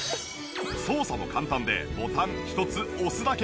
操作も簡単でボタン１つ押すだけ。